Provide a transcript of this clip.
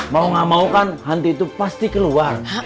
mau gak mau kan hanti itu pasti keluar